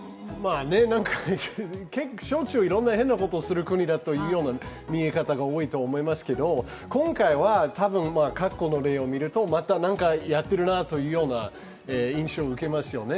しょっちゅう変なことをするという国だという見え方が多いと思いますけど、今回は多分、過去の例を見るとまたなんかやっているなという印象を受けますよね。